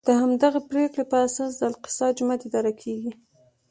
د همدغې پرېکړې په اساس د الاقصی جومات اداره کېږي.